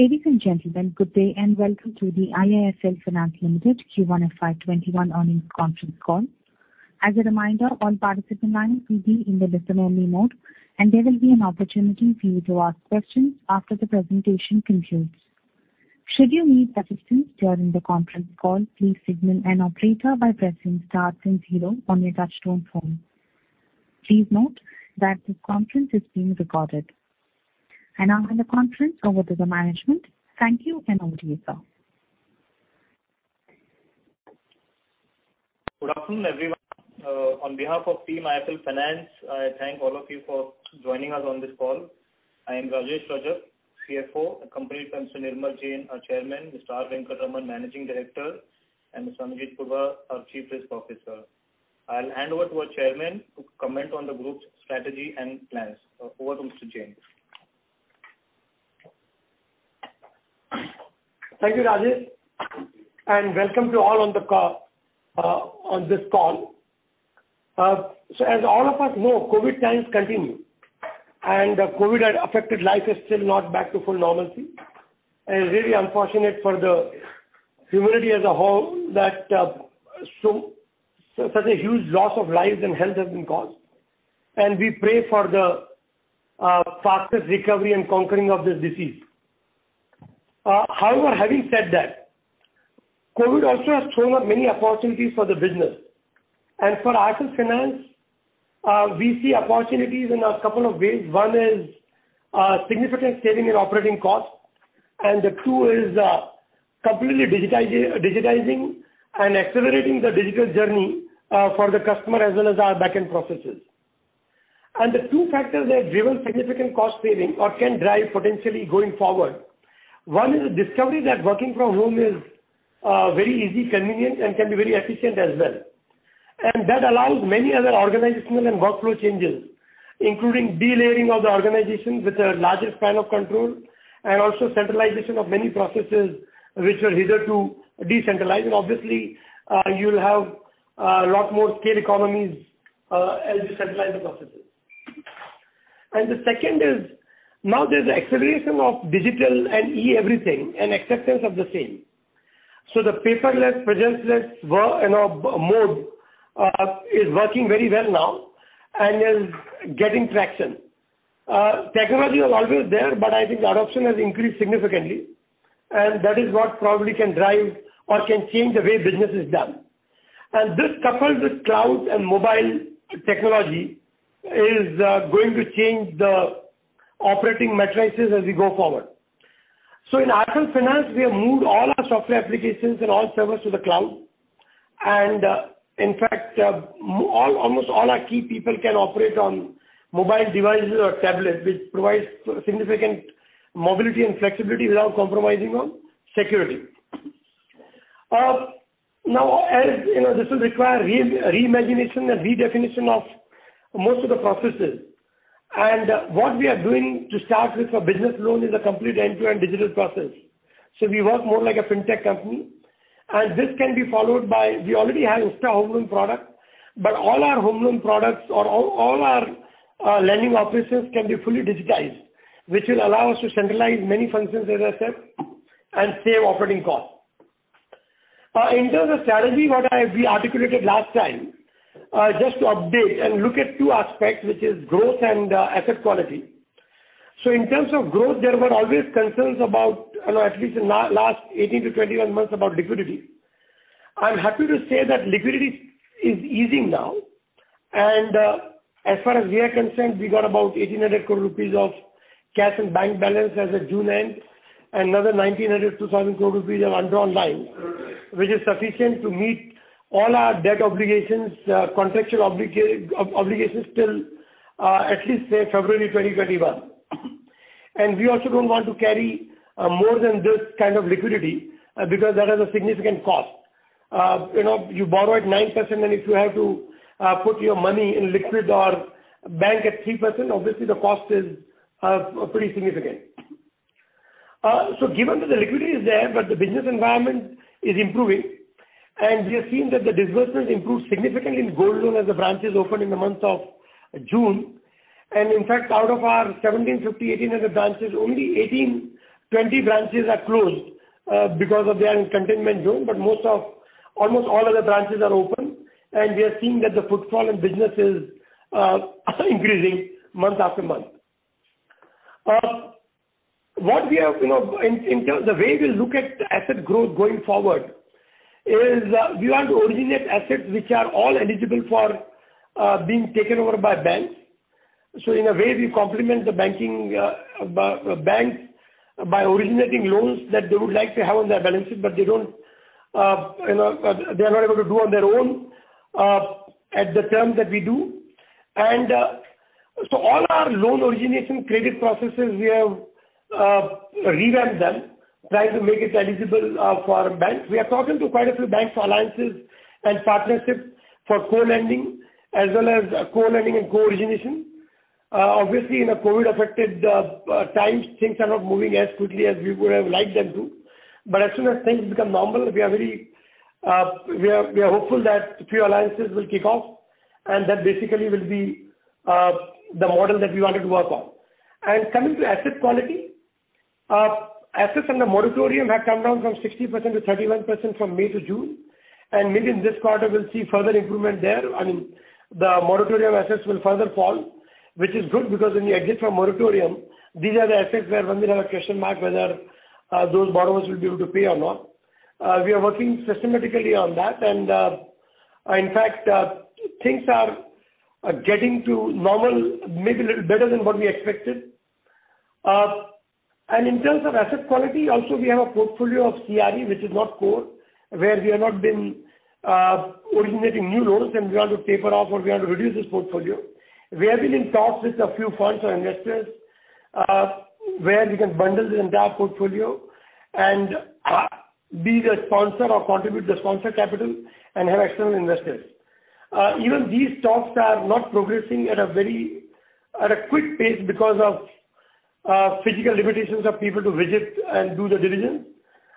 Ladies and gentlemen, good day and welcome to the IIFL Finance Limited Q1 FY 2021 Earnings Conference Call. As a reminder, all participant lines will be in the listen-only mode, and there will be an opportunity for you to ask questions after the presentation concludes. Should you need assistance during the conference call, please signal an operator by pressing star then zero on your touchtone phone. Please note that this conference is being recorded. Now the conference over to the management. Thank you, and over to you, sir. Good afternoon, everyone. On behalf of Team IIFL Finance, I thank all of you for joining us on this call. I am Rajesh Rajak, CFO, accompanied by Mr. Nirmal Jain, our Chairman, Mr. R. Venkataraman, Managing Director, and Mr. Arun Kumar Purwar, our Chief Risk Officer. I'll hand over to our Chairman to comment on the group's strategy and plans. Over to Mr. Jain. Thank you, Rajesh, and welcome to all on this call. As all of us know, COVID times continue, and COVID-affected life is still not back to full normalcy. It is really unfortunate for humanity as a whole that such a huge loss of lives and health has been caused, and we pray for the fastest recovery and conquering of this disease. However, having said that, COVID also has thrown up many opportunities for the business. For IIFL Finance, we see opportunities in a couple of ways. One is significant saving in operating costs, and two is completely digitizing and accelerating the digital journey for the customer as well as our back-end processes. The two factors that have driven significant cost saving or can drive potentially going forward. One is the discovery that working from home is very easy, convenient, and can be very efficient as well. That allows many other organizational and workflow changes, including delayering of the organization with a larger span of control and also centralization of many processes which were hitherto decentralized. Obviously, you'll have a lot more scale economies as you centralize the processes. The second is now there's acceleration of digital and e-everything and acceptance of the same. The paperless, presence-less mode is working very well now and is getting traction. Technology was always there, but I think adoption has increased significantly, and that is what probably can drive or can change the way business is done. This, coupled with cloud and mobile technology, is going to change the operating matrices as we go forward. In IIFL Finance, we have moved all our software applications and all servers to the cloud. In fact, almost all our key people can operate on mobile devices or tablets, which provides significant mobility and flexibility without compromising on security. As you know, this will require re-imagination and redefinition of most of the processes. What we are doing to start with for business loan is a complete end-to-end digital process. We work more like a fintech company. This can be followed by, we already have InstaHomeLoan product, but all our home loan products or all our lending offices can be fully digitized. Which will allow us to centralize many functions, as I said, and save operating costs. In terms of strategy, what we articulated last time, just to update and look at two aspects, which is growth and asset quality. In terms of growth, there were always concerns about, at least in last 18-21 months, about liquidity. I'm happy to say that liquidity is easing now. As far as we are concerned, we got about 1,800 crore rupees of cash and bank balance as of June end, another 1,900 crore-2,000 crore rupees of undrawn line, which is sufficient to meet all our debt obligations, contractual obligations till at least say February 2021. We also don't want to carry more than this kind of liquidity because that has a significant cost. You borrow at 9% and if you have to put your money in liquid or bank at 3%, obviously the cost is pretty significant. Given that the liquidity is there, but the business environment is improving, and we have seen that the disbursements improved significantly in gold loan as the branches opened in the month of June. In fact, out of our 1,750, 1,800 branches, only 18-20 branches are closed because they are in containment zone. Almost all other branches are open, and we are seeing that the footfall and business is increasing month after month. The way we look at asset growth going forward is we want to originate assets which are all eligible for being taken over by banks. In a way, we complement the banks by originating loans that they would like to have on their balances, but they are not able to do on their own at the terms that we do. All our loan origination credit processes, we have revamped them, trying to make it eligible for banks. We are talking to quite a few banks for alliances and partnerships for co-lending, as well as co-lending and co-origination. Obviously, in a COVID-affected time, things are not moving as quickly as we would have liked them to. As soon as things become normal, we are hopeful that a few alliances will kick off. That basically will be the model that we wanted to work on. Coming to asset quality, assets under moratorium have come down from 60% to 31% from May to June, and maybe in this quarter we'll see further improvement there. I mean, the moratorium assets will further fall, which is good because when you exit from moratorium, these are the assets where when there are question marks whether those borrowers will be able to pay or not. We are working systematically on that, and in fact, things are getting to normal, maybe a little better than what we expected. In terms of asset quality, also we have a portfolio of CRE, which is not core, where we have not been originating new loans and we want to taper off or we want to reduce this portfolio. We have been in talks with a few funds or investors, where we can bundle the entire portfolio and be the sponsor or contribute the sponsor capital and have external investors. Even these talks are not progressing at a quick pace because of physical limitations of people to visit and do the diligence.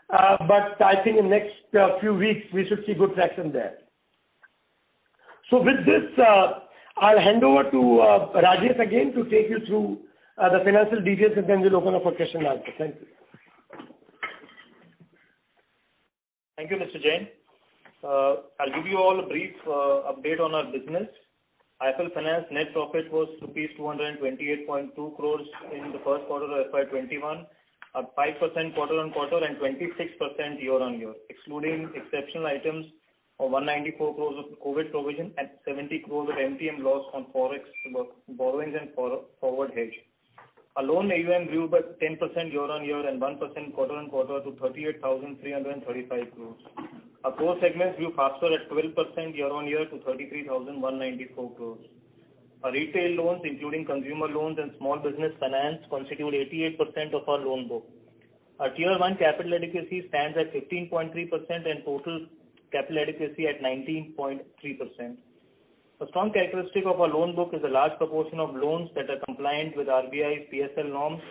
I think in next few weeks, we should see good traction there. With this, I'll hand over to Rajesh again to take you through the financial details, and then we'll open up for question and answer. Thank you. Thank you, Mr. Jain. I'll give you all a brief update on our business. IIFL Finance net profit was INR 228.2 crores in the first quarter of FY 2021, up 5% quarter-on-quarter and 26% year-on-year, excluding exceptional items of 194 crores of COVID provision and 70 crores of MTM loss on ForEx borrowings and forward hedge. Our loan AUM grew by 10% year-on-year and 1% quarter-on-quarter to 38,335 crores. Our core segment grew faster at 12% year-on-year to 33,194 crores. Our retail loans, including consumer loans and small business finance, constitute 88% of our loan book. Our Tier 1 capital adequacy stands at 15.3% and total capital adequacy at 19.3%. A strong characteristic of our loan book is a large proportion of loans that are compliant with RBI PSL norms.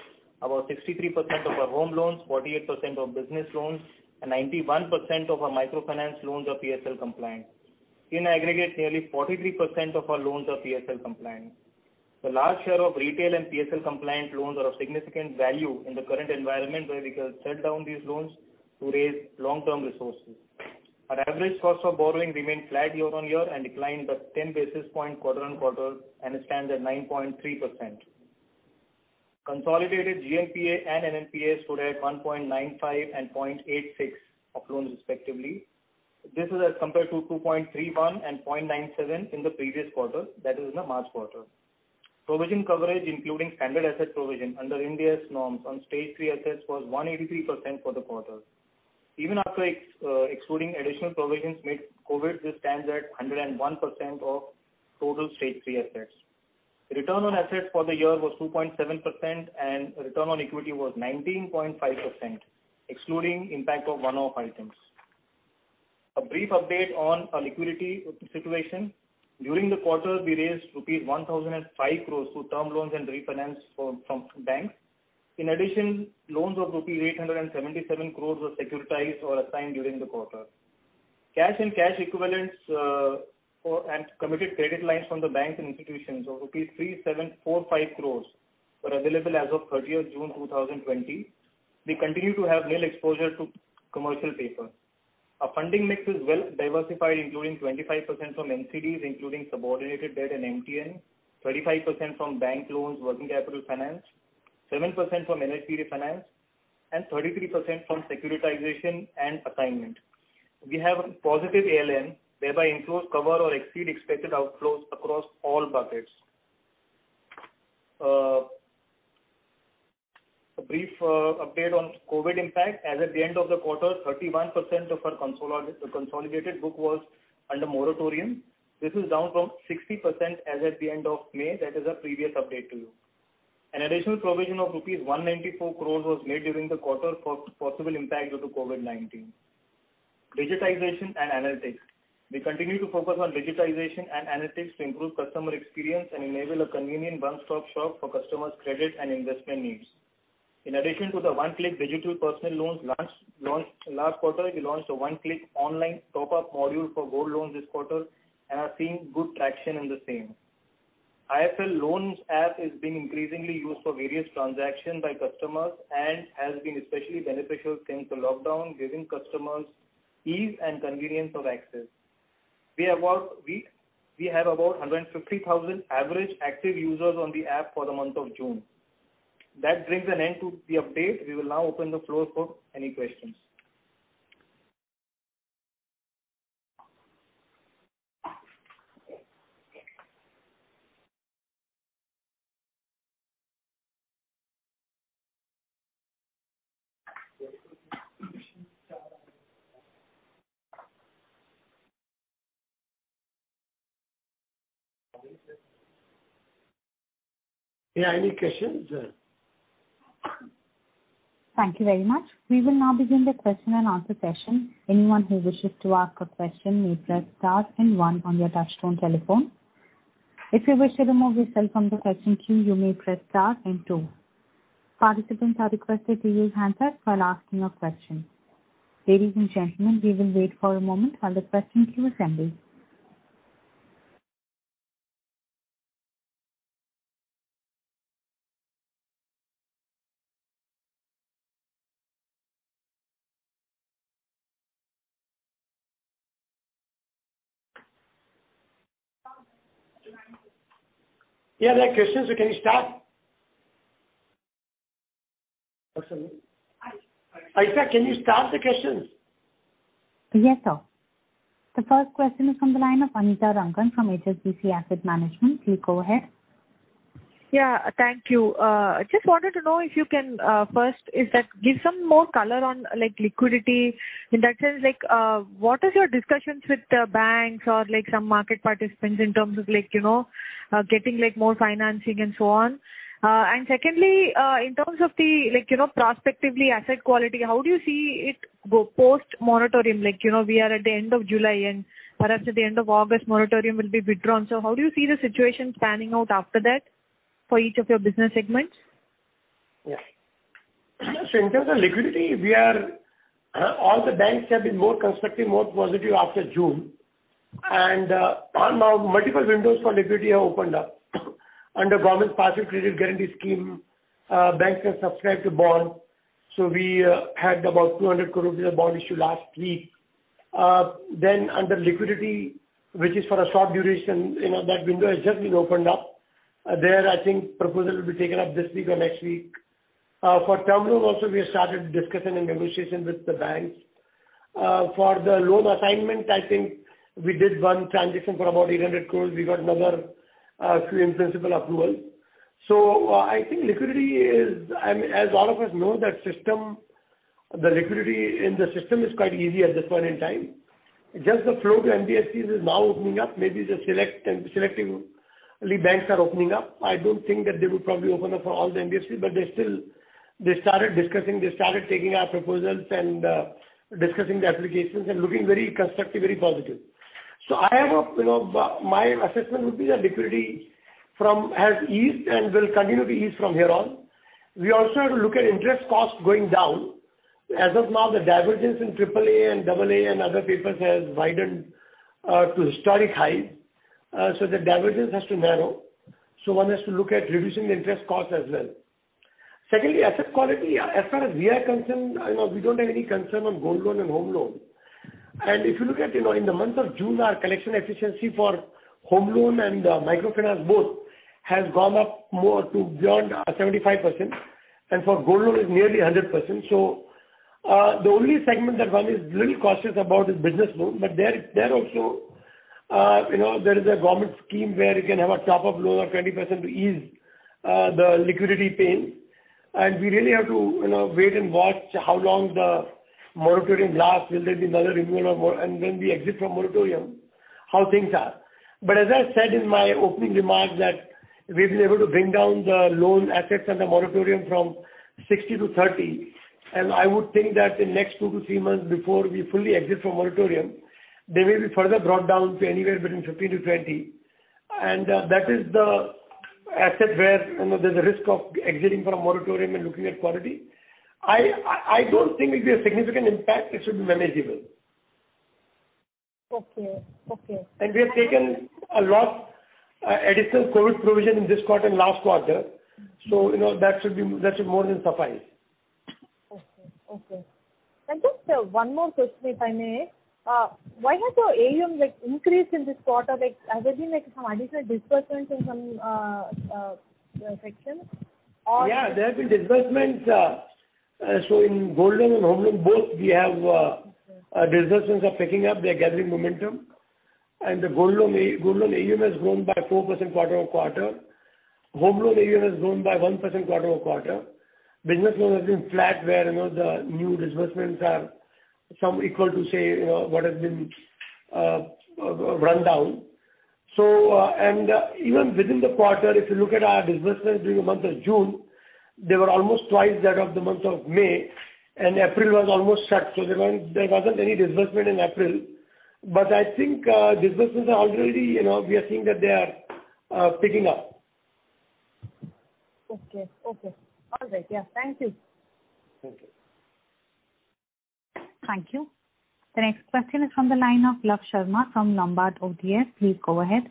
About 63% of our home loans, 48% of business loans, and 91% of our microfinance loans are PSL compliant. In aggregate, nearly 43% of our loans are PSL compliant. The large share of retail and PSL compliant loans are of significant value in the current environment where we can sell down these loans to raise long-term resources. Our average cost of borrowing remained flat year-over-year and declined by 10 basis points quarter-over-quarter and stands at 9.3%. Consolidated GNPA and NNPA stood at 1.95 and 0.86 of loans respectively. This is as compared to 2.31 and 0.97 in the previous quarter, that is in the March quarter. Provision coverage, including standard asset provision under Ind AS norms on Stage 3 assets was 183% for the quarter. Even after excluding additional provisions made for COVID, this stands at 101% of total Stage 3 assets. Return on assets for the year was 2.7% and return on equity was 19.5%, excluding impact of one-off items. A brief update on our liquidity situation. During the quarter, we raised rupees 1,005 crores through term loans and refinance from banks. In addition, loans of rupees 877 crores were securitized or assigned during the quarter. Cash and cash equivalents and committed credit lines from the banks and institutions of rupees 3,745 crores were available as of 30th June 2020. We continue to have nil exposure to commercial paper. Our funding mix is well diversified, including 25% from NCDs, including subordinated debt and MTN, 35% from bank loans, working capital finance, 7% from NHB refinance, and 33% from securitization and assignment. We have a positive ALM, whereby inflows cover or exceed expected outflows across all buckets. A brief update on COVID impact. As at the end of the quarter, 31% of our consolidated book was under moratorium. This is down from 60% as at the end of May. That is our previous update to you. An additional provision of rupees 194 crore was made during the quarter for possible impact due to COVID-19. Digitization and analytics. We continue to focus on digitization and analytics to improve customer experience and enable a convenient one-stop shop for customers' credit and investment needs. In addition to the one-click digital personal loans launched last quarter, we launched a one-click online top-up module for gold loans this quarter and are seeing good traction in the same. IIFL Loans app is being increasingly used for various transactions by customers and has been especially beneficial during the lockdown, giving customers ease and convenience of access. We have about 150,000 average active users on the app for the month of June. That brings an end to the update. We will now open the floor for any questions. Yeah, any questions? Thank you very much. We will now begin the question and answer session. Anyone who wishes to ask a question may press star and one on your touchtone telephone. If you wish to remove yourself from the question queue, you may press star and two. Participants are requested to use handset while asking a question. Ladies and gentlemen, we will wait for a moment while the questions you assemble. Yeah, there are questions, can you start? Ayesha, can you start the questions? Yes, sir. The first question is from the line of Anita Rangan from HSBC Asset Management. Please go ahead. Yeah, thank you. Just wanted to know if you can first give some more color on liquidity. In that sense, what are your discussions with the banks or some market participants in terms of getting more financing and so on? Secondly, in terms of the prospectively asset quality, how do you see it go post moratorium? We are at the end of July and perhaps at the end of August, moratorium will be withdrawn. How do you see the situation panning out after that for each of your business segments? Yeah. In terms of liquidity, all the banks have been more constructive, more positive after June. Now multiple windows for liquidity have opened up. Under government's Partial Credit Guarantee Scheme, banks have subscribed to bond. We had about 200 crore rupees bond issue last week. Under liquidity, which is for a short duration, that window has just been opened up. There, I think proposal will be taken up this week or next week. For term loan also, we have started discussion and negotiation with the banks. For the loan assignment, I think we did one transition for about 800 crore. We got another few in-principle approval. I think liquidity is, as all of us know, that the liquidity in the system is quite easy at this point in time. Just the flow to NBFCs is now opening up. Maybe the selectively banks are opening up. I don't think that they would probably open up for all the NBFCs, but they started discussing, they started taking our proposals and discussing the applications and looking very constructive, very positive. My assessment would be that liquidity has eased and will continue to ease from here on. We also have to look at interest cost going down. As of now, the divergence in triple A and double A and other papers has widened to historic high. The divergence has to narrow. One has to look at reducing the interest cost as well. Secondly, asset quality, as far as we are concerned, we don't have any concern on gold loan and home loan. If you look at in the month of June, our collection efficiency for home loan and microfinance both has gone up more to beyond 75%, and for gold loan is nearly 100%. The only segment that one is little cautious about is business loan, but there also, there is a government scheme where you can have a top-up loan of 20% to ease the liquidity pain. We really have to wait and watch how long the moratorium lasts. Will there be another renewal, and when we exit from moratorium, how things are. As I said in my opening remarks, that we've been able to bring down the loan assets under moratorium from 60 to 30, and I would think that in next two to three months before we fully exit from moratorium, they may be further brought down to anywhere between 15 to 20. That is the asset where there's a risk of exiting from a moratorium and looking at quality. I don't think it'll be a significant impact. It should be manageable. Okay. We have taken a lot additional COVID provision in this quarter and last quarter. That should more than suffice. Okay. Just one more question, if I may. Why has your AUM increased in this quarter? Has there been some additional disbursements in some sections? Yeah, there have been disbursements. In gold loan and home loan both, disbursements are picking up. They're gathering momentum. The gold loan AUM has grown by 4% quarter-over-quarter. Home loan AUM has grown by 1% quarter-over-quarter. Business loan has been flat where the new disbursements are some equal to say, what has been run down. Even within the quarter, if you look at our disbursements during the month of June, they were almost twice that of the month of May, and April was almost shut, so there wasn't any disbursement in April. I think disbursements are already, we are seeing that they are picking up. Okay. All right. Yeah. Thank you. Thank you. Thank you. The next question is from the line of Luv Sharma from Lombard Odier. Please go ahead.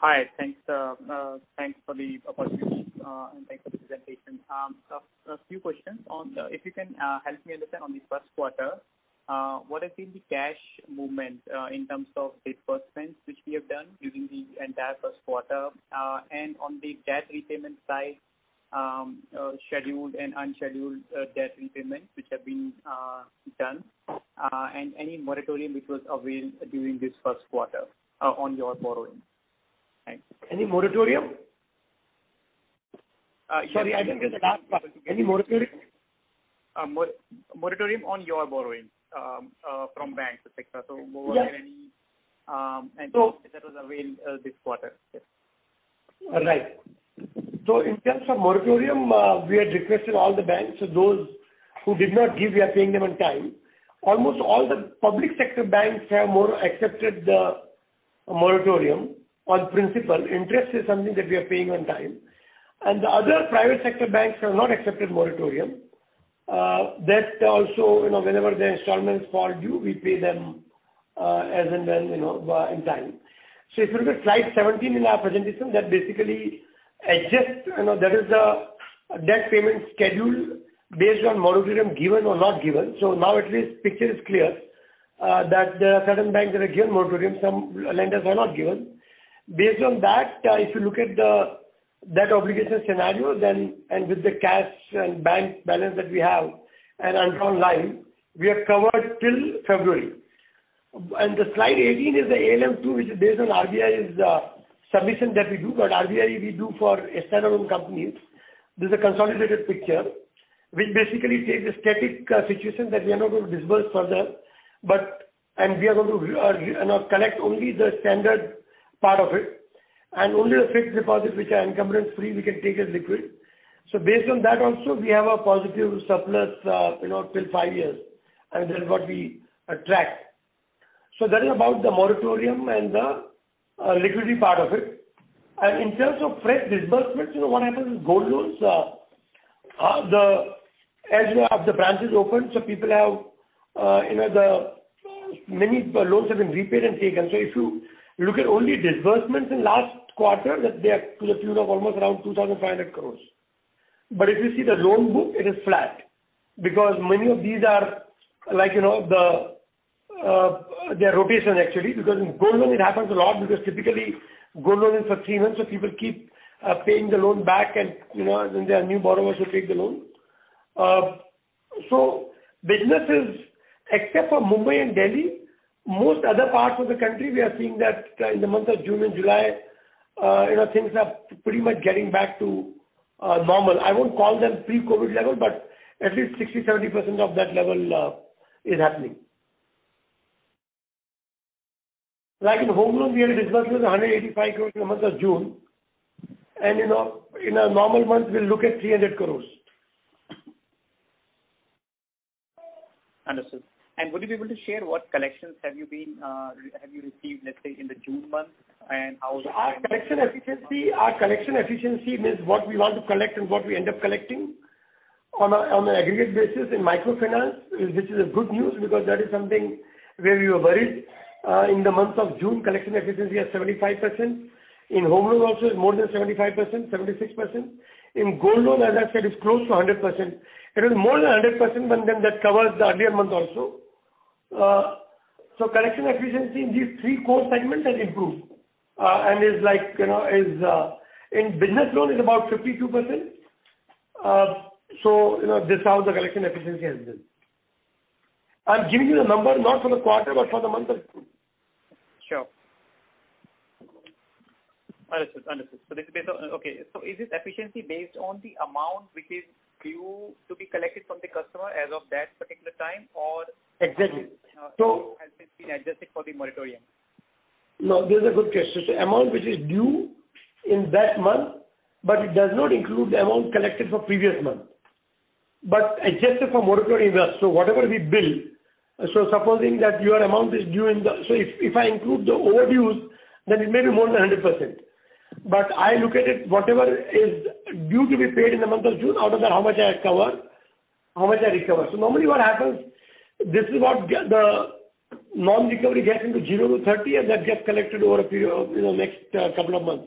Hi. Thanks for the opportunity, and thanks for the presentation. A few questions. If you can help me understand on the first quarter, what has been the cash movement, in terms of disbursements which we have done during the entire first quarter, and on the debt repayment side, scheduled and unscheduled debt repayments which have been done, and any moratorium which was availed during this first quarter on your borrowing? Thanks. Any moratorium? Sorry, I didn't hear the last part. Any moratorium? Moratorium on your borrowing from banks, et cetera. Yeah. That was availed this quarter. Yeah. Right. In terms of moratorium, we had requested all the banks. Those who did not give, we are paying them on time. Almost all the public sector banks have more or accepted the moratorium on principal. Interest is something that we are paying on time, and the other private sector banks have not accepted moratorium. That also, whenever their installment is fall due, we pay them as and when, in time. If you look at slide 17 in our presentation, that basically adjusts. That is the debt payment schedule based on moratorium given or not given. Now at least picture is clear that there are certain banks that are given moratorium, some lenders were not given. Based on that, if you look at the debt obligation scenario, and with the cash and bank balance that we have and undrawn line, we are covered till February. The slide 18 is the ALM II, which is based on RBI's submission that we do. RBI, we do for standalone companies. This is a consolidated picture, which basically says a static situation that we are not going to disburse further and we are going to collect only the standard part of it and only the fixed deposits which are encumbrance-free we can take as liquid. Based on that also, we have a positive surplus till five years, and that is what we track. That is about the moratorium and the liquidity part of it. In terms of fresh disbursements, what happens is gold loans are, as we have the branches open, so many loans have been repaid and taken. If you look at only disbursements in last quarter, that they are to the tune of almost around 2,500 crores. If you see the loan book, it is flat. Many of these are their rotation, actually. In gold loan it happens a lot because typically gold loan is for three months, so people keep paying the loan back and there are new borrowers who take the loan. Businesses, except for Mumbai and Delhi, most other parts of the country, we are seeing that in the month of June and July, things are pretty much getting back to normal. I won't call them pre-COVID level, but at least 60%, 70% of that level is happening. Like in home loans, we had disbursed 185 crore in the month of June. In a normal month, we'll look at 300 crore. Understood. Would you be able to share what collections have you received, let's say, in the June month, and how is the Our collection efficiency means what we want to collect and what we end up collecting. On an aggregate basis in microfinance, which is a good news because that is something where we were worried. In the month of June, collection efficiency was 75%. In home loan also is more than 75%, 76%. In gold loan, as I said, it's close to 100%. It was more than 100% but then that covers the earlier month also. Collection efficiency in these three core segments has improved. In business loan is about 52%. This is how the collection efficiency has been. I'm giving you the number not for the quarter, but for the month of June. Sure. Understood. Okay. Is this efficiency based on the amount which is due to be collected from the customer as of that particular time? Exactly has it been adjusted for the moratorium? No, this is a good question. Amount which is due in that month, but it does not include the amount collected for previous month. Adjusted for moratorium as well. Whatever we bill. If I include the overdues, then it may be more than 100%. I look at it, whatever is due to be paid in the month of June, out of that how much I recover. Normally what happens, this is what the non-recovery gets into 0 to 30, and that gets collected over a period of next couple of months.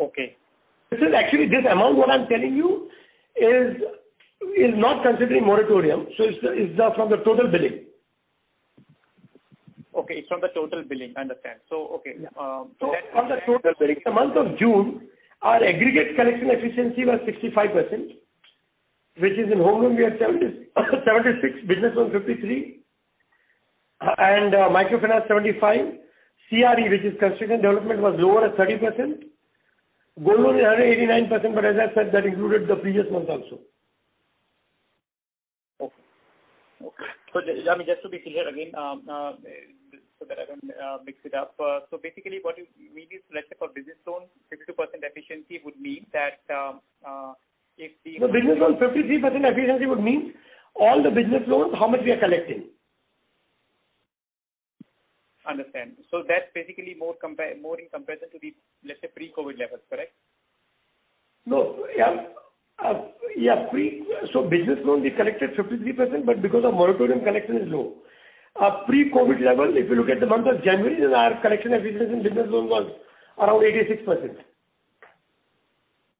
Okay. Actually, this amount what I'm telling you is not considering moratorium, so it's from the total billing. Okay. It's from the total billing. Understand. Okay. From the total billing. The month of June, our aggregate collection efficiency was 65%, which is in home loan, we are 76, business loan 53, and microfinance 75. CRE, which is construction and development, was lower at 30%. Gold loan is 189%, but as I said, that included the previous month also. Okay. Just to be clear again, so that I don't mix it up. Basically, what you maybe selected for business loans, 52% efficiency would mean that if the. Business loan 53% efficiency would mean all the business loans, how much we are collecting. Understand. That's basically more in comparison to the, let's say, pre-COVID levels, correct? No. Business loans we collected 53%, but because of moratorium collection is low. Pre-COVID level, if you look at the month of January, our collection efficiency in business loans was around 86%.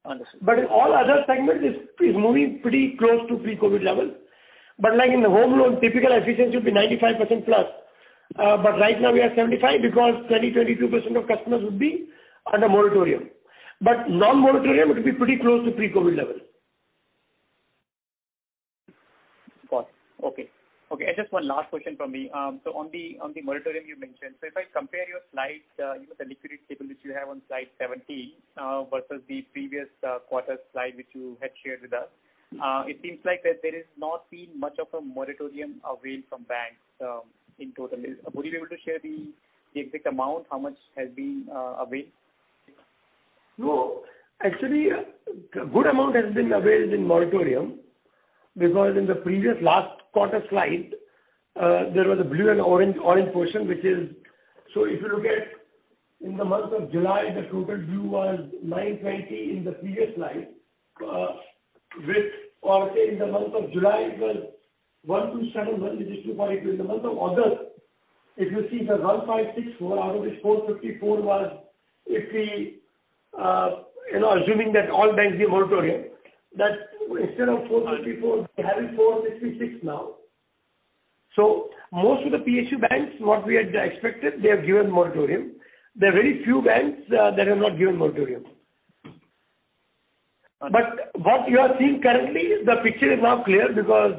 Understood. In all other segments it's moving pretty close to pre-COVID level. Like in the home loan, typical efficiency will be 95% plus. Right now we are at 75% because 20%, 22% of customers would be under moratorium. Non-moratorium would be pretty close to pre-COVID level. Got it. Okay. Just one last question from me. On the moratorium you mentioned, so if I compare your slide, even the liquidity table which you have on slide 17, versus the previous quarter slide which you had shared with us. It seems like that there is not been much of a moratorium availed from banks in total. Would you be able to share the exact amount, how much has been availed? No. Actually, a good amount has been availed in moratorium because in the previous last quarter slide, there was a blue and orange portion. If you look at in the month of July, the total blue was 920 in the previous slide. Whereas in the month of July, it was 1,271. In the month of August, if you see the 1,564 out of which 454 was assuming that all banks give moratorium, that instead of 454, we are having 456 now. Most of the PSU banks, what we had expected, they have given moratorium. There are very few banks that have not given moratorium. What you are seeing currently, the picture is now clear because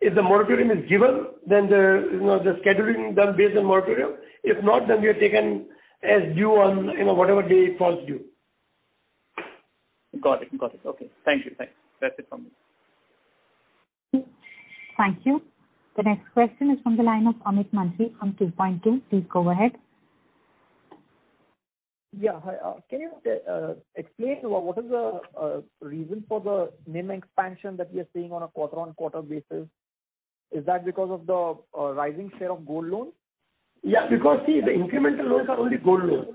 if the moratorium is given, then the scheduling done based on moratorium. If not, then we have taken as due on whatever day it falls due. Got it. Okay. Thank you. That's it from me. Thank you. The next question is from the line of Amit Mantri from 2Point2. Please go ahead. Hi. Can you explain what is the reason for the NIM expansion that we are seeing on a quarter-on-quarter basis? Is that because of the rising share of gold loan? Yeah, because see, the incremental loans are only gold loans.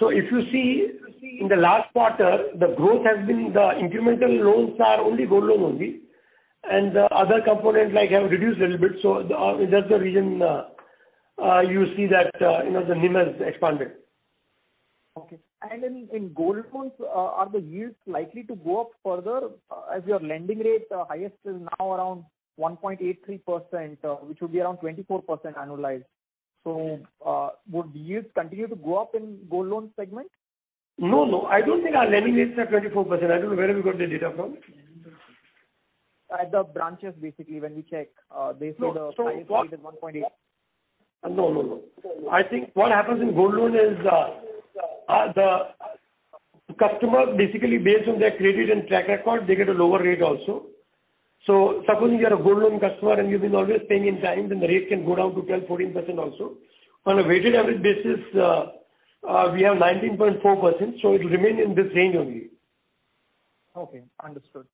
If you see in the last quarter, the growth has been the incremental loans are only gold loan, and the other components have reduced a little bit. That's the reason you see that the NIM has expanded. Okay. In gold loans, are the yields likely to go up further as your lending rates are highest is now around 1.83%, which would be around 24% annualized. Would yields continue to go up in gold loan segment? No, I don't think our lending rates are 24%. I don't know, where have you got the data from? At the branches, basically, when we check. They said the highest rate is 1.8. No. I think what happens in gold loan is the customer, basically based on their credit and track record, they get a lower rate also. Supposing you are a gold loan customer and you've been always paying in time, then the rate can go down to 12%, 14% also. On a weighted average basis, we have 19.4%, so it will remain in this range only. Okay. Understood.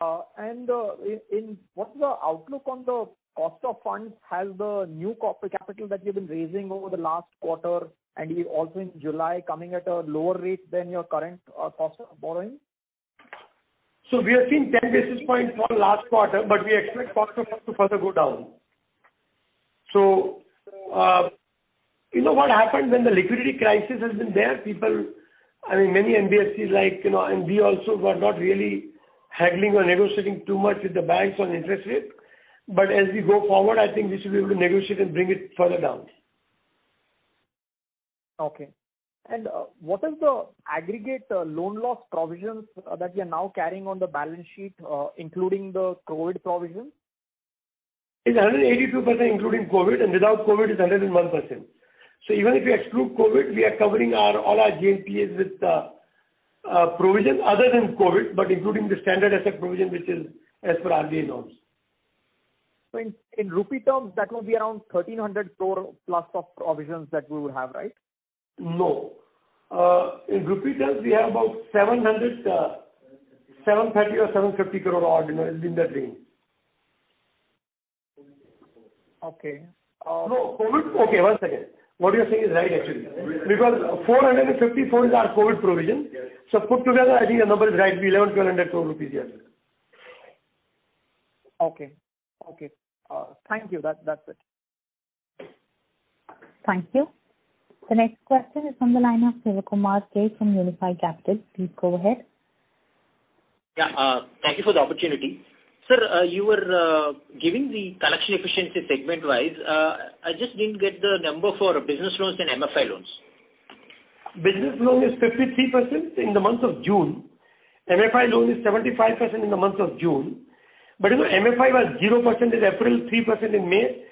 What's the outlook on the cost of funds? Has the new corporate capital that you've been raising over the last quarter and also in July coming at a lower rate than your current cost of borrowing? We are seeing 10 basis points for last quarter, but we expect cost of funds to further go down. You know what happens when the liquidity crisis has been there. People, I mean, many NBFCs and we also were not really haggling or negotiating too much with the banks on interest rate. As we go forward, I think we should be able to negotiate and bring it further down. Okay. What is the aggregate loan loss provisions that you are now carrying on the balance sheet, including the COVID provision? It's 182% including COVID, and without COVID, it's 101%. Even if you exclude COVID, we are covering all our GNPA with provision other than COVID, but including the standard asset provision, which is as per RBI norms. In INR terms, that would be around 1,300 crore plus of provisions that we would have, right? No. In INR terms, we have about 700 crore, 730 crore or 750 crore. It's in that range. Okay. No, COVID. Okay, one second. What you are saying is right, actually. 454 is our COVID provision. Put together, I think your number is right, it'll be 1,100 crore-1,200 crore rupees, yes, sir. Okay. Thank you. That's it. Thank you. The next question is from the line of Sivakumar K from Unifi Capital. Please go ahead. Yeah. Thank you for the opportunity. Sir, you were giving the collection efficiency segment-wise. I just didn't get the number for business loans and MFI loans. Business loan is 53% in the month of June. MFI loan is 75% in the month of June. You know, MFI was 0% in April, 3% in May,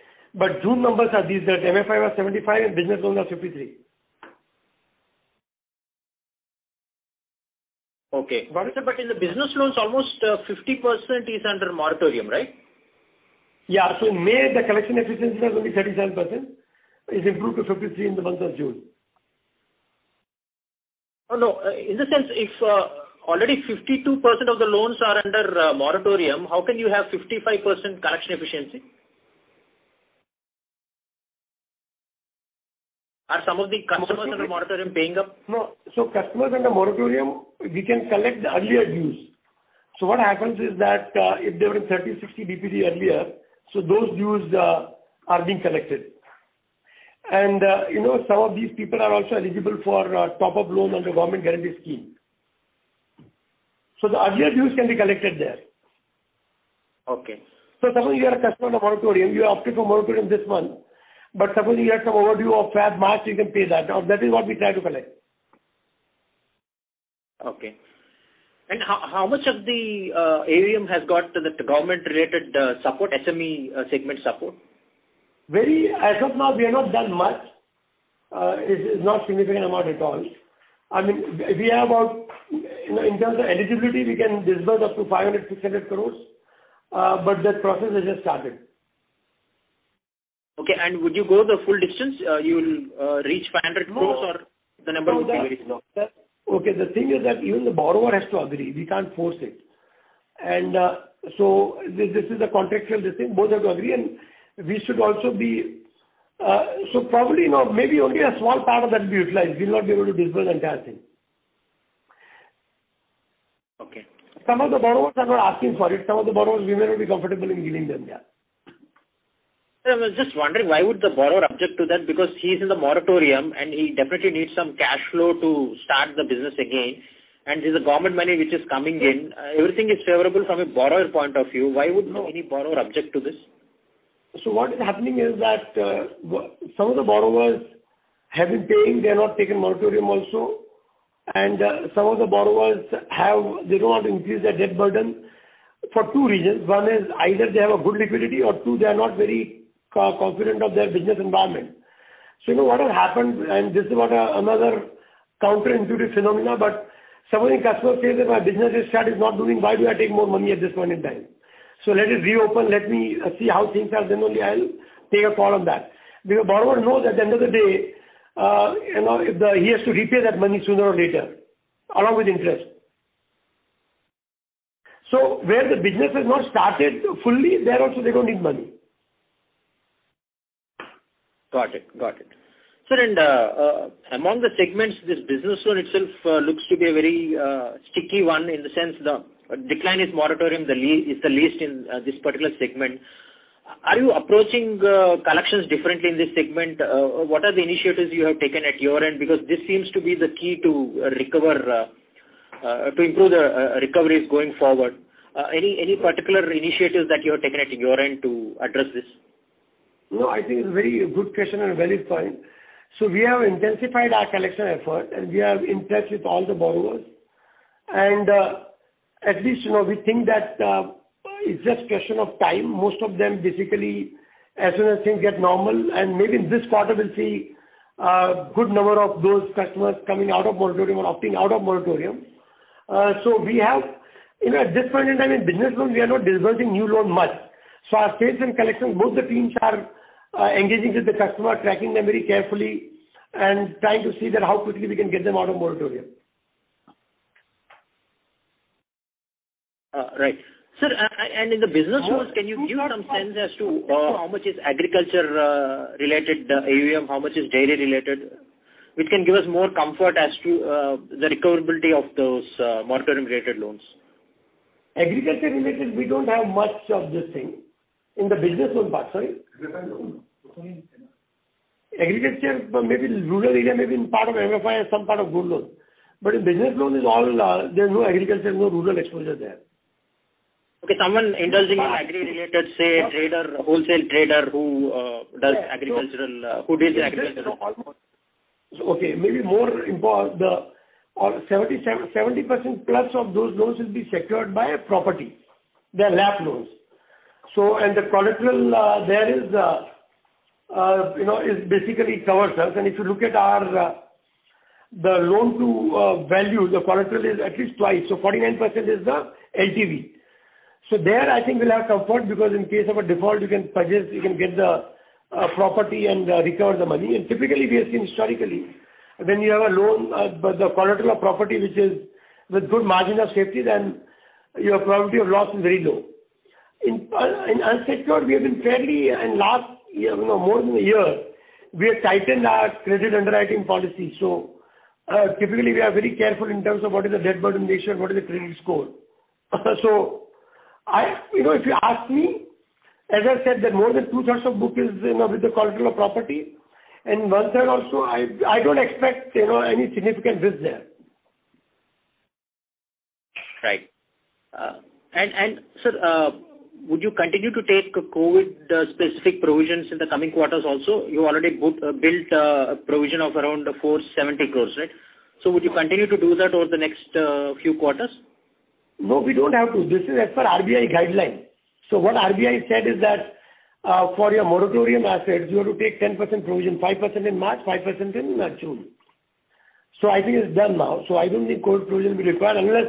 June numbers are these, that MFI was 75% and business loans are 53%. Okay. Sir, in the business loans, almost 50% is under moratorium, right? Yeah. In May, the collection efficiency was only 37%. It's improved to 53 in the month of June. No. In the sense, if already 52% of the loans are under moratorium, how can you have 55% collection efficiency? Are some of the customers under moratorium paying up? No. Customers under moratorium, we can collect the earlier dues. What happens is that, if they were in 30, 60 DPD earlier, so those dues are being collected. Some of these people are also eligible for top-up loan under government guarantee scheme. The earlier dues can be collected there. Okay. Suppose you are a customer on a moratorium, you applied for moratorium this month, but suppose you have some overdue of March, you can pay that. That is what we try to collect. Okay. How much of the AUM has got the government-related support, SME segment support? As of now, we have not done much. It's not significant amount at all. In terms of eligibility, we can disburse up to 500-600 crores. That process has just started. Okay, would you go the full distance? You will reach 500 crores or the number will be very low? Okay, the thing is that even the borrower has to agree, we can't force it. This is a contextual, this thing, both have to agree. Probably not, maybe only a small part of that will be utilized. We will not be able to disburse the entire thing. Okay. Some of the borrowers are not asking for it. Some of the borrowers, we may not be comfortable in giving them. Yeah. Sir, I was just wondering why would the borrower object to that? Because he's in the moratorium, and he definitely needs some cash flow to start the business again, and there's government money which is coming in. Everything is favorable from a borrower's point of view. Why would any borrower object to this? What is happening is that some of the borrowers have been paying, they have not taken moratorium also, and some of the borrowers, they don't want to increase their debt burden for two reasons. One is either they have a good liquidity, or two, they are not very confident of their business environment. You know what has happened, and this is another counterintuitive phenomenon, but some of the customers say that my business is shut, it's not moving, why do I take more money at this point in time? Let it reopen, let me see how things are, then only I'll take a call on that. Borrower knows at the end of the day, he has to repay that money sooner or later, along with interest. Where the business has not started fully, there also, they don't need money. Got it. Sir, among the segments, this business loan itself looks to be a very sticky one in the sense the decline in moratorium is the least in this particular segment. Are you approaching collections differently in this segment? What are the initiatives you have taken at your end? Because this seems to be the key to improve the recoveries going forward. Any particular initiatives that you have taken at your end to address this? No, I think it's a very good question and a valid point. We have intensified our collection effort, and we are in touch with all the borrowers. At least, we think that it's just a question of time. Most of them, basically, as soon as things get normal and maybe in this quarter we'll see a good number of those customers coming out of moratorium or opting out of moratorium. At this point in time, in business loans, we are not disbursing new loan much. Our sales and collections, both the teams are engaging with the customer, tracking them very carefully and trying to see how quickly we can get them out of moratorium. Right. Sir, in the business loans, can you give some sense as to how much is agriculture related AUM, how much is dairy related, which can give us more comfort as to the recoverability of those moratorium-related loans. Agriculture related, we don't have much of this thing in the business loan part. Sorry? Agriculture loan. Agriculture, maybe rural area, maybe in part of MFI or some part of gold loan. In business loan, there's no agriculture, no rural exposure there. Okay. Someone indulging in agri related, say, trader, wholesale trader who does agricultural- Yes. Who deals in agricultural. Okay, maybe more involved. 70% plus of those loans will be secured by a property. They're LAP loans. The collateral there is basically covers us. If you look at the loan to value, the collateral is at least twice. 49% is the LTV. There, I think we'll have comfort because in case of a default, you can purchase, you can get the property and recover the money. Typically, we have seen historically, when you have a loan, but the collateral of property, which is with good margin of safety, then your probability of loss is very low. In unsecured, we have been fairly, in last, more than a year, we have tightened our credit underwriting policy. Typically, we are very careful in terms of what is the debt burden ratio and what is the credit score. if you ask me, as I said, that more than two-thirds of book is with the collateral of property, and one third also, I don't expect any significant risk there. Right. Sir, would you continue to take COVID-specific provisions in the coming quarters also? You already built a provision of around 470 crores, right? Would you continue to do that over the next few quarters? No, we don't have to. This is as per RBI guideline. What RBI said is that for your moratorium assets, you have to take 10% provision, 5% in March, 5% in June. I think it's done now, so I don't think COVID provision will be required unless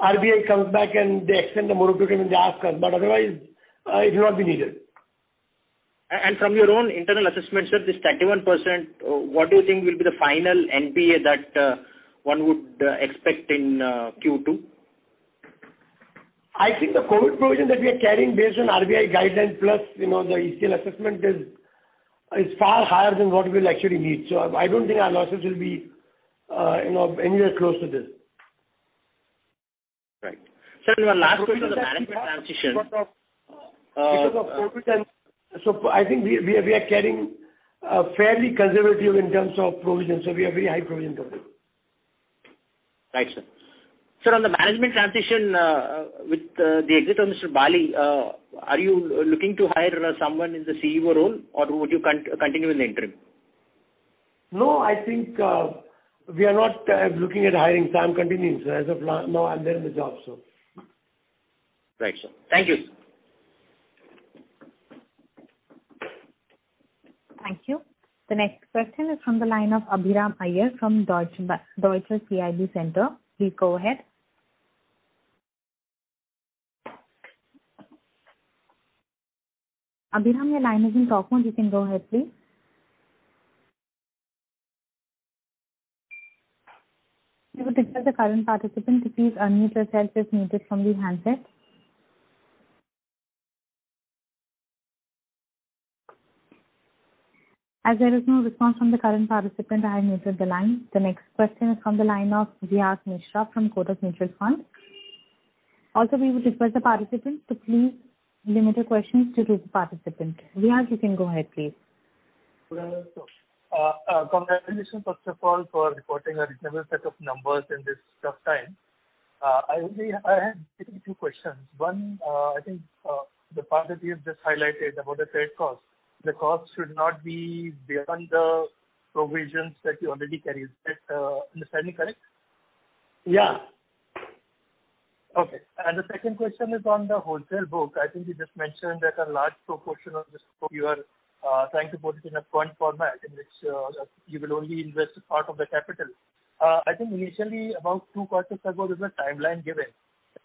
RBI comes back and they extend the moratorium and they ask us, but otherwise, it will not be needed. From your own internal assessments, sir, this 31%, what do you think will be the final NPA that one would expect in Q2? I think the COVID provision that we are carrying based on RBI guidelines plus the ECL assessment is far higher than what we'll actually need. I don't think our losses will be anywhere close to this. Right. Sir, one last question on the management transition. Because of COVID, so I think we are carrying fairly conservative in terms of provision, so we have very high provision coverage. Right, sir. Sir, on the management transition with the exit of Mr. Bali, are you looking to hire someone in the CEO role, or would you continue in the interim? I think we are not looking at hiring. Same continues as of now. I'm there in the job. Right, sir. Thank you. Thank you. The next question is from the line of Abhiram Iyer from Deutsche CIB Centre. Please go ahead. Abhiram, your line is in talk mode. You can go ahead, please. We would request the current participant to please unmute yourself if muted from the handset. As there is no response from the current participant, I have muted the line. The next question is from the line of Riyaz Mishra from Kotak Mutual Fund. We would request the participants to please limit your questions to the participant. Riyaz, you can go ahead, please. Good afternoon, sir. Congratulations, first of all, for reporting a reasonable set of numbers in this tough time. I have maybe two questions. One, I think, the part that you've just highlighted about the credit cost. The cost should not be beyond the provisions that you already carry. Is my understanding correct? Yeah. Okay. The second question is on the wholesale book. I think you just mentioned that a large proportion of this book, you are trying to put it in a fund format in which you will only invest a part of the capital. I think initially, about two quarters ago, there was a timeline given.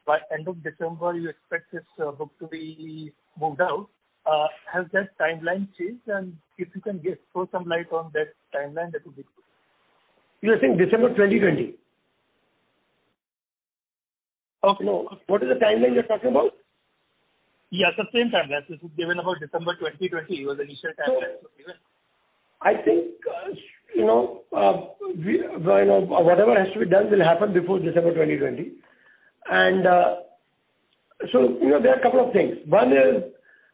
By end of December, you expect this book to be moved out. Has that timeline changed? If you can throw some light on that timeline, that would be good. You are saying December 2020? Okay. No. What is the timeline you're talking about? Yeah, the same timeline. This is given about December 2020, was the initial timeline that was given. I think, whatever has to be done will happen before December 2020. There are a couple of things. One is,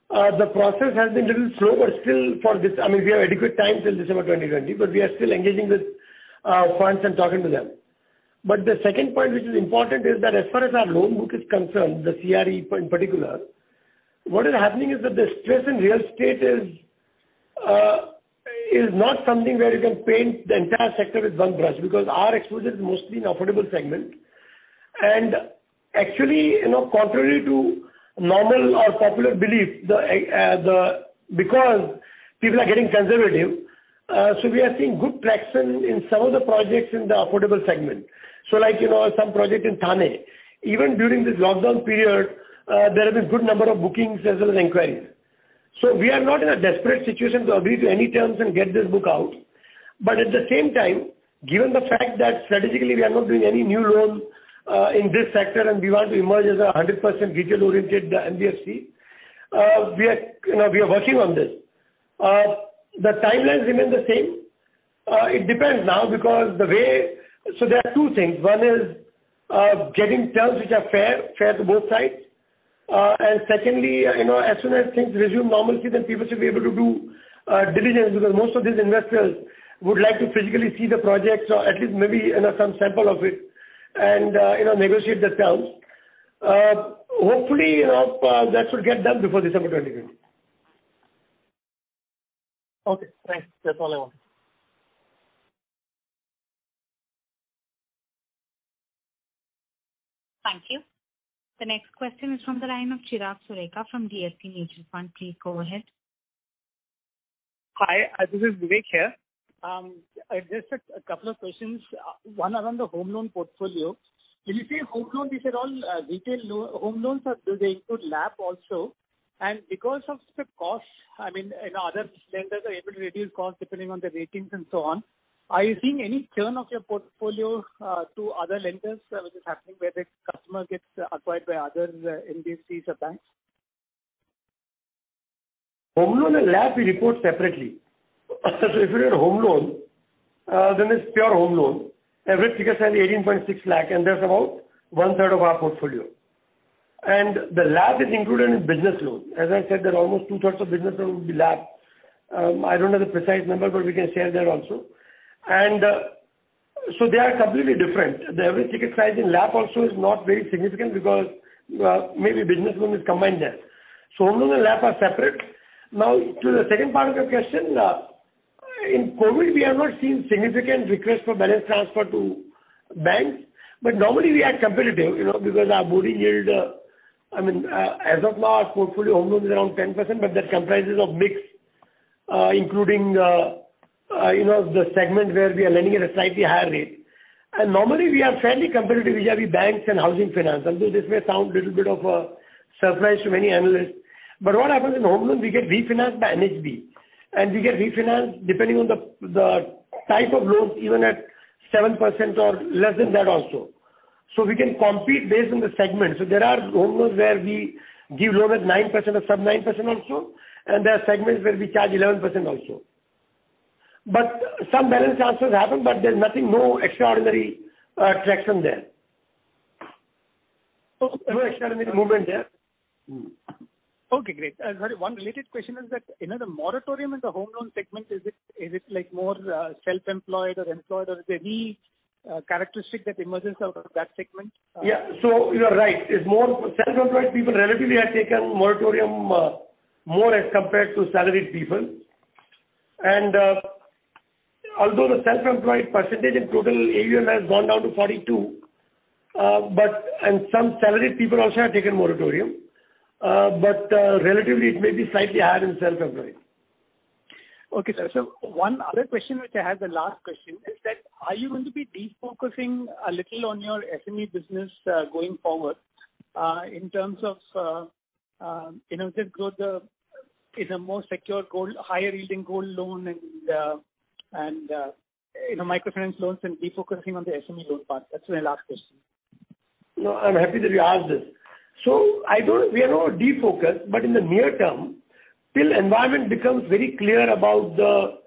the process has been a little slow, but still, we have adequate time till December 2020, but we are still engaging with clients and talking to them. The second point which is important is that as far as our loan book is concerned, the CRE in particular, what is happening is that the stress in real estate is not something where you can paint the entire sector with one brush, because our exposure is mostly in affordable segment. Actually, contrary to normal or popular belief, because people are getting conservative, we are seeing good traction in some of the projects in the affordable segment. Like, some project in Thane. Even during this lockdown period, there have been good number of bookings as well as inquiries. We are not in a desperate situation to agree to any terms and get this book out. At the same time, given the fact that strategically, we are not doing any new loans in this sector and we want to emerge as a 100% retail-oriented NBFC, we are working on this. The timelines remain the same. It depends now because so there are two things. One is getting terms which are fair to both sides. Secondly, as soon as things resume normalcy, then people should be able to do diligence because most of these investors would like to physically see the projects or at least maybe some sample of it and negotiate the terms. Hopefully, that should get done before December 2020. Okay, thanks. That's all I wanted. Thank you. The next question is from the line of Chirag Sureka from DSP Mutual Fund. Please go ahead. Hi. This is Vivek here. Just a couple of questions. One around the home loan portfolio. When you say home loan, these are all retail home loans or do they include LAP also? Because of the cost, other lenders are able to reduce cost depending on the ratings and so on. Are you seeing any churn of your portfolio to other lenders, which is happening where the customer gets acquired by other NBFCs or banks? Home loan and LAP we report separately. If you have home loan, then it's pure home loan. Average ticket size 18.6 lakh, and that's about one-third of our portfolio. The LAP is included in business loan. As I said, almost two-thirds of business loan will be LAP. I don't know the precise number, but we can share that also. They are completely different. The average ticket size in LAP also is not very significant because maybe business loan is combined there. Home loan and LAP are separate. Now, to the second part of your question. In COVID, we have not seen significant request for balance transfer to banks. Normally, we are competitive, because our boarded yield, as of now, our portfolio home loan is around 10%, but that comprises of mix, including the segment where we are lending at a slightly higher rate. Normally, we are fairly competitive vis-à-vis banks and housing finance, although this may sound a little bit of a surprise to many analysts. What happens in home loan, we get refinanced by NHB. We get refinanced depending on the type of loans, even at 7% or less than that also. We can compete based on the segment. There are home loans where we give loan at 9% or sub 9% also, and there are segments where we charge 11% also. Some balance transfers happen, but there's no extraordinary traction there. No extraordinary movement there. Okay, great. Sorry, one related question is that, the moratorium in the home loan segment, is it more self-employed or employed or is there any characteristic that emerges out of that segment? Yeah. You are right. Self-employed people relatively have taken moratorium more as compared to salaried people. Although the self-employed percentage in total AUM has gone down to 42, and some salaried people also have taken moratorium. Relatively, it may be slightly higher in self-employed. Okay, sir. One other question, which I have, the last question, is that are you going to be de-focusing a little on your SME business going forward, in terms of growth is a more secure, higher-yielding gold loan and microfinance loans and de-focusing on the SME loan part? That's my last question. No, I'm happy that you asked this. We are not defocused, but in the near term, till environment becomes very clear about the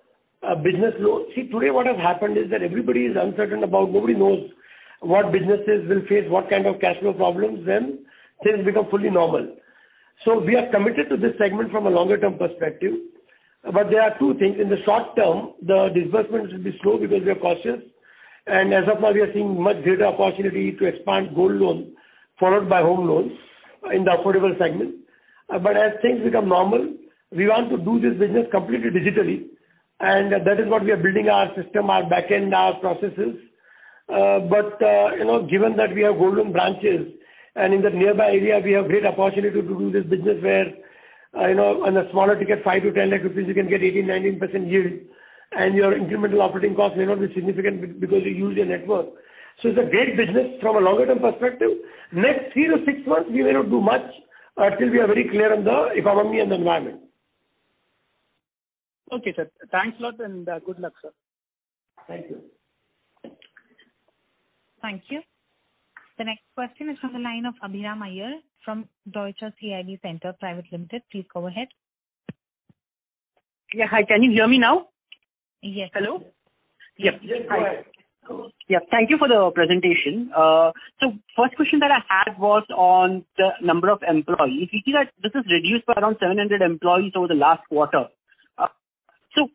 business loans, today what has happened is that everybody is uncertain about, nobody knows what businesses will face what kind of cash flow problems when things become fully normal. We are committed to this segment from a longer term perspective. There are two things. In the short term, the disbursements will be slow because we are cautious, and as of now, we are seeing much greater opportunity to expand gold loan, followed by home loans in the affordable segment. As things become normal, we want to do this business completely digitally, and that is what we are building our system, our backend, our processes. Given that we have gold loan branches and in the nearby area, we have great opportunity to do this business where on a smaller ticket, 5,000-10,000 rupees, you can get 18%-19% yield, and your incremental operating cost may not be significant because you use your network. It's a great business from a longer term perspective. Next three to six months, we may not do much till we are very clear on the economy and the environment. Okay, sir. Thanks a lot and good luck, sir. Thank you. Thank you. The next question is on the line of Abhiram Iyer from Deutsche CIB Centre Private Limited. Please go ahead. Yeah. Hi, can you hear me now? Yes. Hello? Yes, go ahead. Yeah. Thank you for the presentation. First question that I had was on the number of employees. We see that this is reduced by around 700 employees over the last quarter.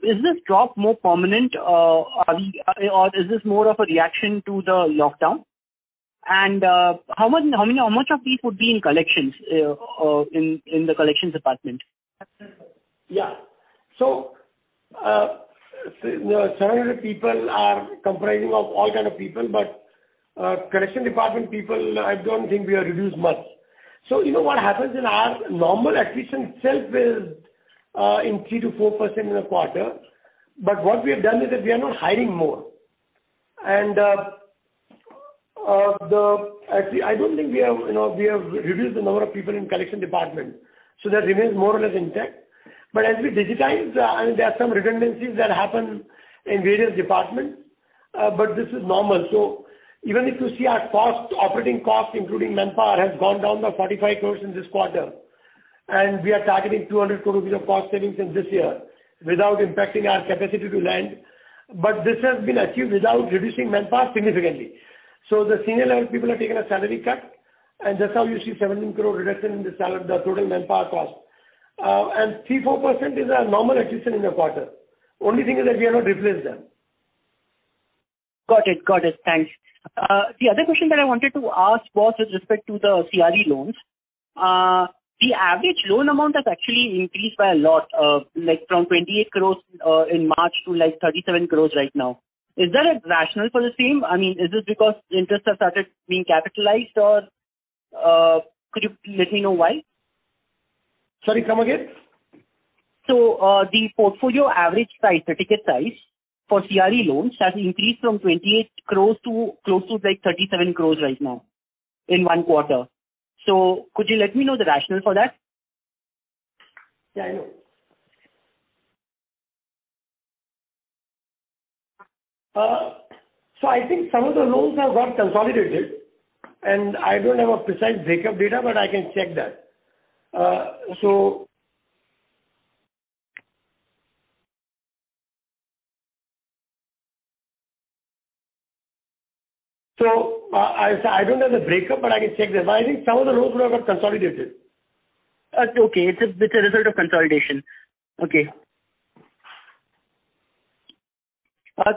Is this drop more permanent or is this more of a reaction to the lockdown? How much of these would be in the collections department? Yeah. 700 people are comprising of all kind of people, but collection department people, I don't think we have reduced much. You know what happens in our normal attrition itself is in 3% to 4% in a quarter. What we have done is that we are not hiring more. Actually, I don't think we have reduced the number of people in collection department. That remains more or less intact. As we digitize, and there are some redundancies that happen in various departments, but this is normal. Even if you see our operating cost, including manpower, has gone down by 45 crores in this quarter, and we are targeting 200 crores rupees of cost savings in this year without impacting our capacity to lend. This has been achieved without reducing manpower significantly. The senior level people have taken a salary cut, and that's how you see 17 crore reduction in the total manpower cost. 3%, 4% is a normal attrition in a quarter. Only thing is that we have not replaced them. Got it. Thanks. The other question that I wanted to ask was with respect to the CRE loans. The average loan amount has actually increased by a lot, like from 28 crores in March to 37 crores right now. Is there a rationale for the same? Is this because interests have started being capitalized, or could you let me know why? Sorry, come again? The portfolio average size, the ticket size for CRE loans has increased from 28 crores to close to 37 crores right now in one quarter. Could you let me know the rationale for that? Yeah, I know. I think some of the loans have got consolidated, and I don't have a precise breakup data, but I can check that. I don't have the breakup, but I can check that. I think some of the loans would have got consolidated. Okay. It's a result of consolidation. Okay.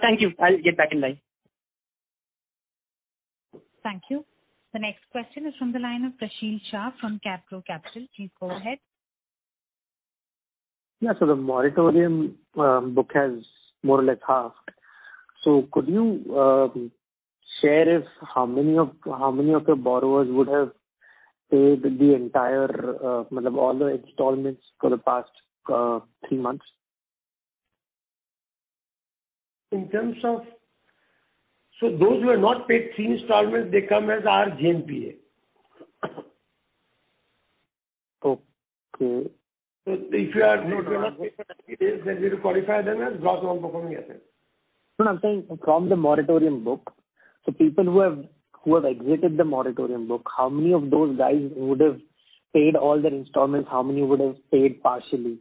Thank you. I'll get back in line. Thank you. The next question is from the line of Prashil Shah from Capro Capital. Please go ahead. Yeah. The moratorium book has more or less halved. Could you share how many of your borrowers would have paid the entire installments for the past three months? Those who have not paid three installments, they come as our GNPA. Okay. If you have not paid, then we qualify them as Gross Non-Performing Assets. No, I'm saying from the moratorium book. People who have exited the moratorium book, how many of those guys would've paid all their installments, how many would've paid partially?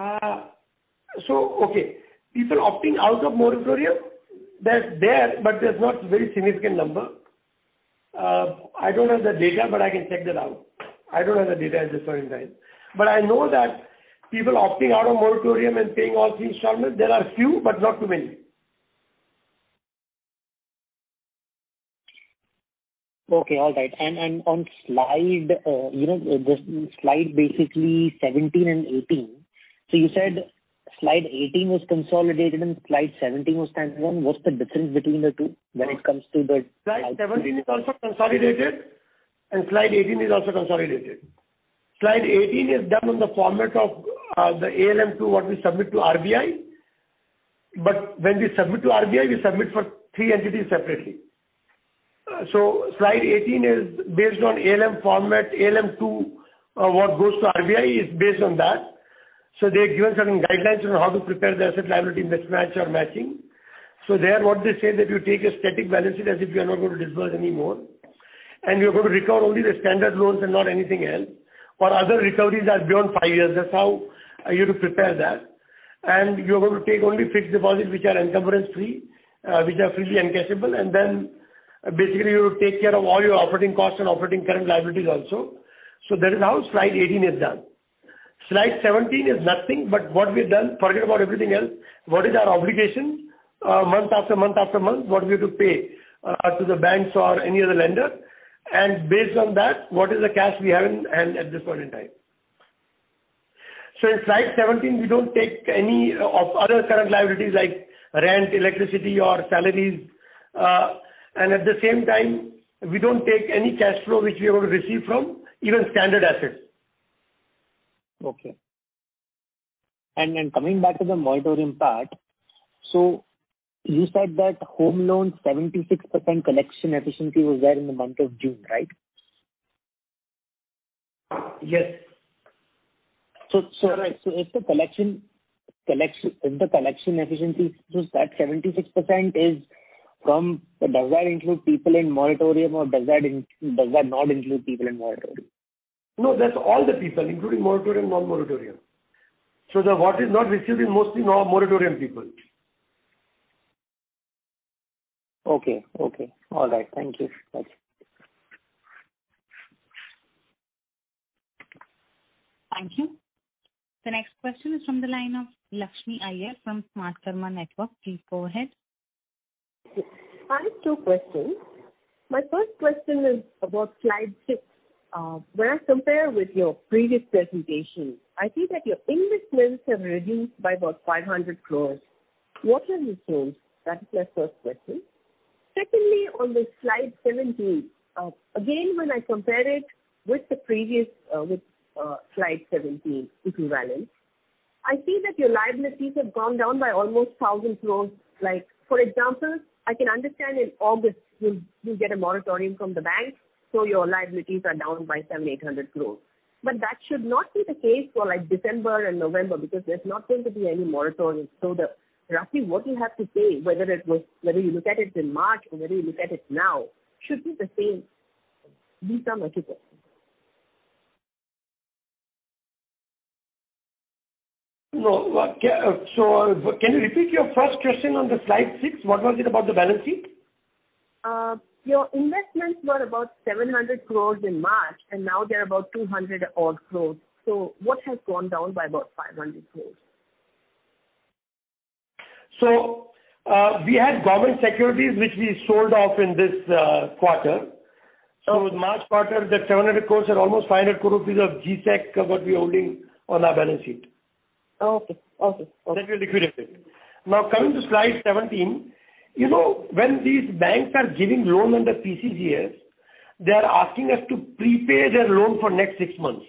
Okay. People opting out of moratorium, that's there, that's not very significant number. I don't have the data, but I can check that out. I don't have the data at this point in time. I know that people opting out of moratorium and paying all three installments, there are few, but not too many. Okay, all right. On slide basically 17 and 18. You said slide 18 was consolidated and slide 17 was standalone. What's the difference between the two when it comes to the-? Slide 17 is also consolidated. Slide 18 is also consolidated. Slide 18 is done on the format of the ALM II, what we submit to RBI. When we submit to RBI, we submit for three entities separately. Slide 18 is based on ALM format, ALM II, what goes to RBI is based on that. They've given certain guidelines on how to prepare the asset liability mismatch or matching. There, what they say that you take a static balance sheet as if you are not going to disburse any more, and you're going to recover only the standard loans and not anything else. For other recoveries that are beyond five years, that's how you to prepare that. You're going to take only fixed deposits which are encumbrance-free, which are freely encashable. Basically, you take care of all your operating costs and operating current liabilities also. That is how slide 18 is done. Slide 17 is nothing but what we've done, forget about everything else. What is our obligation month after month after month, what we are to pay to the banks or any other lender. Based on that, what is the cash we have in hand at this point in time. In slide 17, we don't take any of other current liabilities like rent, electricity or salaries. At the same time, we don't take any cash flow which we are going to receive from even standard assets. Okay. Coming back to the moratorium part. You said that home loan, 76% collection efficiency was there in the month of June, right? Yes. If the collection efficiency, that 76% does that include people in moratorium or does that not include people in moratorium? That's all the people, including moratorium, non-moratorium. What is not received is mostly non-moratorium people. Okay. All right. Thank you. Thank you. The next question is from the line of Lakshmi Iyer from Smartkarma Network. Please go ahead. I have two questions. My first question is about slide six. When I compare with your previous presentation, I see that your investments have reduced by about 500 crores. What are the reasons? That is my first question. Secondly, on the slide 17. Again, when I compare it with the previous slide 17, if you balance, I see that your liabilities have gone down by almost 1,000 crores. For example, I can understand in August you get a moratorium from the bank, your liabilities are down by 700-800 crores. That should not be the case for December and November because there's not going to be any moratorium. Roughly what you have to pay, whether you look at it in March or whether you look at it now, should be the same. These are my two questions. No. Can you repeat your first question on the slide six? What was it about the balance sheet? Your investments were about 700 crores in March, and now they're about 200 odd crores. What has gone down by about 500 crores? We had government securities which we sold off in this quarter. With March quarter, that 700 crore and almost 500 crore of G-Sec what we're holding on our balance sheet. Okay. That we liquidated. Coming to slide 17. When these banks are giving loans under PCGS, they are asking us to prepay their loan for next six months.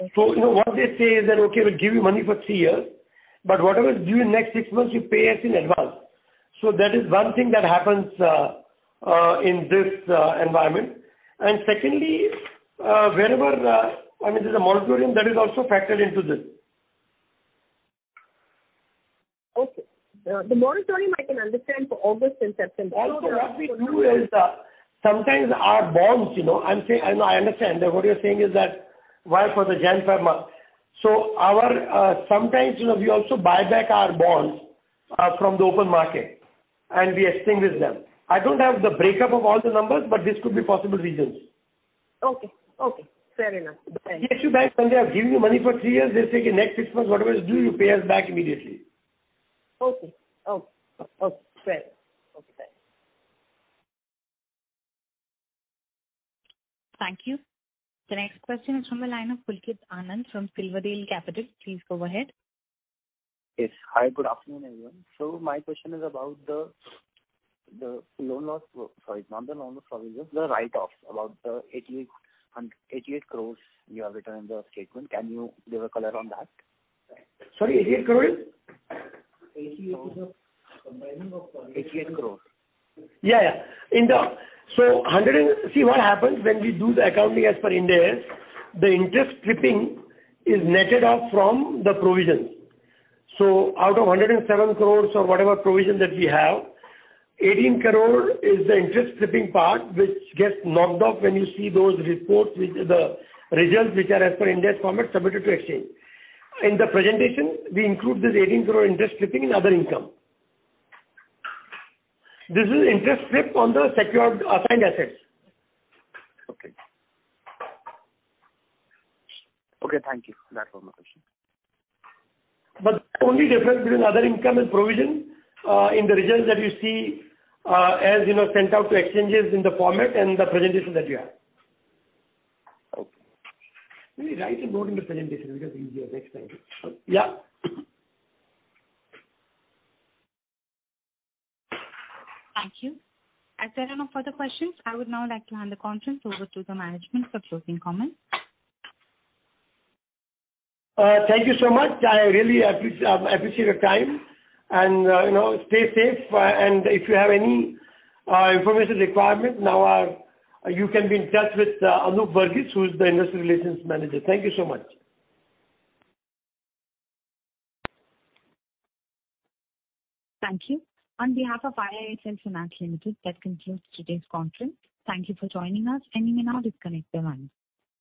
Okay. What they say is that, "Okay, we'll give you money for 3 years, but whatever is due in next 6 months, you pay us in advance." That is one thing that happens in this environment. Secondly, wherever there's a moratorium, that is also factored into this. Okay. The moratorium I can understand for August and September. What we do is, sometimes our bonds, I know, I understand. What you're saying is that why for the January, February month. Sometimes we also buy back our bonds from the open market and we extinguish them. I don't have the breakup of all the numbers, but this could be possible reasons. Okay. Fair enough. Yes, your bank, when they are giving you money for three years, they say, "In next six months, whatever is due, you pay us back immediately. Okay. Fair enough. Thank you. The next question is from the line of Pulkit Anand from Silverdale Capital. Please go ahead. Yes. Hi, good afternoon, everyone. My question is about the loan loss. Sorry, not the loan loss provisions, the write-offs, about the 88 crores you have written in the statement. Can you give a color on that? Sorry, 88 crore? 88 is a combining of. 88 crore. See what happens when we do the accounting as per Ind AS, the interest stripping is netted off from the provisions. Out of 107 crore or whatever provision that we have, 18 crore is the interest stripping part which gets knocked off when you see those reports with the results which are as per Ind AS format submitted to exchange. In the presentation, we include this 18 crore interest stripping in other income. This is interest strip on the secured assigned assets. Okay. Thank you. That was my question. The only difference between other income and provision, in the results that you see as sent out to exchanges in the format and the presentation that we have. Okay. We write a note in the presentation because easier next time. Okay. Yeah. Thank you. As there are no further questions, I would now like to hand the conference over to the management for closing comments. Thank you so much. I really appreciate your time and stay safe. If you have any information requirement, you can be in touch with Anup Varghese, who is the investor relations manager. Thank you so much. Thank you. On behalf of IIFL Finance Limited, that concludes today's conference. Thank you for joining us and you may now disconnect your lines.